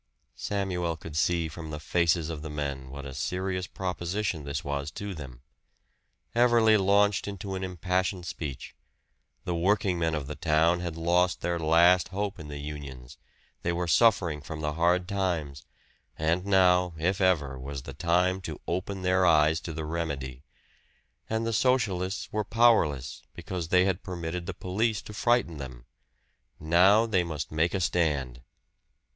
Samuel could see from the faces of the men what a serious proposition this was to them. Everley launched into an impassioned speech. The workingmen of the town had lost their last hope in the unions; they were suffering from the hard times; and now, if ever, was the time to open their eyes to the remedy. And the Socialists were powerless, because they had permitted the police to frighten them. Now they must make a stand.